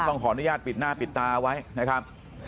ขออนุญาตปิดหน้าปิดตาไว้นะครับ